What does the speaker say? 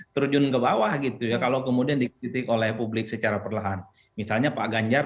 terjun ke bawah gitu ya kalau kemudian dikritik oleh publik secara perlahan misalnya pak ganjar